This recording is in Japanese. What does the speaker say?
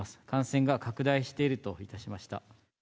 感染が拡大しているといたしました。